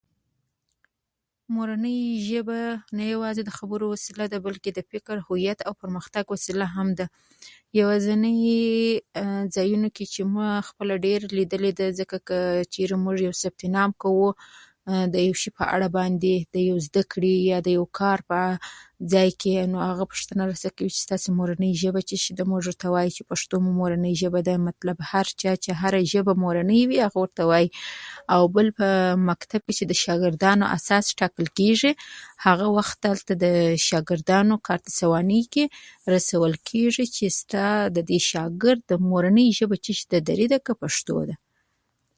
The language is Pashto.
مورنی ژبه نه یوازې د خبرو وسیله ده بلکه د فکر، هویت او پرمختک وسیله هم ده. يوازيني ځایونو کي چا خپله ډیر لیدلي دي ده، ځکه که چیري موږ یو نوم ليکنه کوو د یو شي په اړه باندي د یو زده کړي یا یو کار اړه ځای کي نو هغه پښتنه را څخه کوي چي ستاسې مورنۍ ژبه څه شی ده ده. موږ ورته وایو چي پښتو مو مورنۍ ژبه ده، مطلب هر چا چي هره ژبه مورنۍ وي هغه ورته وايي. او بل په ښوونځي کي چي د زده کوونکو اساس ټاکل کیږي، هغه وخت هلته د شاګردانو کارت سوانح کي رسول کیږي چي ستا ددي زده کوونکي مورنۍ ژبه څه شي ده، پښتو ده که دري ده.